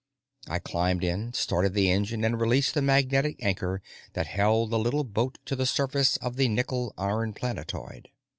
I climbed in, started the engine, and released the magnetic anchor that held the little boat to the surface of the nickel iron planetoid.